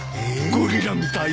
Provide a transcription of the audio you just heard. ゴリラみたいや。